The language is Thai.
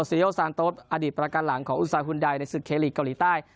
สารโต๊ะอดีตประกันหลังของอุตสาหกุณฑายในศึกเคลียร์หลีกเกาหลีใต้